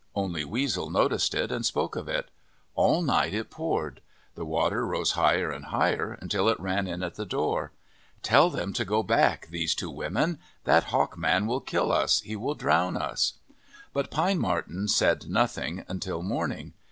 Only Weasel noticed it and spoke of it. All night it poured. The water rose higher and higher until it ran in at the door. " Tell them to go back, these two women ! That Hawk Man will kill us, he will drown us." But Pine Marten said nothing until morning.